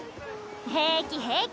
平気平気！